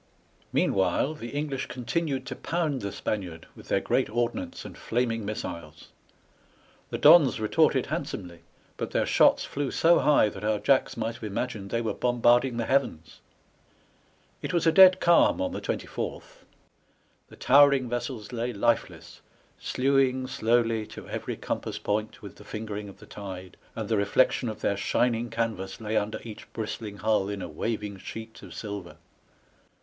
Meanwhile, the EngKsh continued to pound the Spaniard with their great ordnance and flaming missiles. The Dons retorted handsomely, but their shots flew so high that our Jacks might have imagined they were bombarding the heavens. It was a dead calm on the 24th ; the tower ing vessels lay lifeless, slewing slowly to every compass point with the fingering of the tide, and the reflection of their shining canvas lay under each bristling hull in a waving sheet of silver.